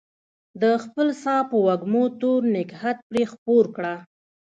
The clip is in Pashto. د خپل ساه په وږمو تور نګهت پرې خپور کړه